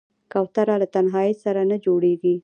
کوتره له تنهايي سره نه جوړېږي.